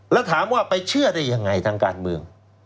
แล้วถามว่าไปเชื่อได้ยังไงทางการเมือง